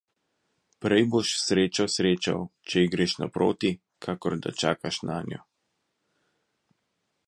Prej boš srečo srečal, če ji greš naproti, kakor da čakaš nanjo.